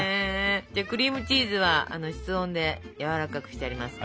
クリームチーズは室温でやわらかくしてありますから。